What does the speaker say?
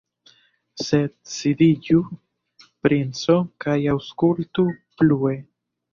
Sed sidiĝu, princo, kaj aŭskultu plue!